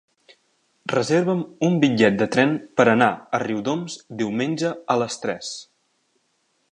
Reserva'm un bitllet de tren per anar a Riudoms diumenge a les tres.